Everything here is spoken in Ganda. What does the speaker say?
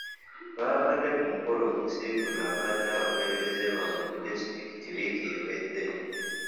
Baabadde ku mukolo ogusiibula ababadde abakulembeze baabwe ku disitulikiti wiiki ewedde